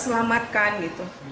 bisa selamatkan gitu